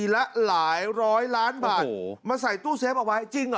ละหลายร้อยล้านบาทโอ้โหมาใส่ตู้เซฟเอาไว้จริงเหรอ